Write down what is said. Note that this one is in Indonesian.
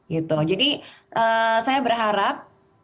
gitu jadi saya berharap